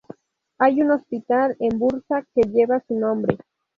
Hay un hospital en Bursa que lleva su nombre.